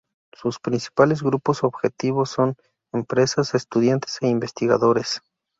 Sus principales grupos objetivo son empresas, estudiantes e investigadores.